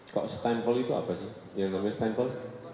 kok stempol itu apa sih yang namanya stempol